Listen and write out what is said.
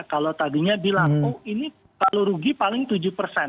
kalau tadinya bilang oh ini kalau rugi paling tujuh persen